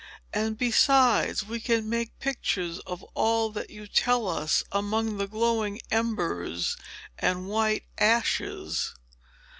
And, besides, we can make pictures of all that you tell us, among the glowing embers and white ashes."